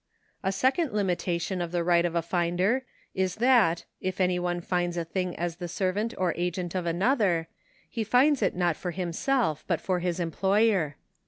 A second limitation of the right of a finder is that, if any one finds a thing as the servant or agent of another, he finds it not for himself, but for his employer.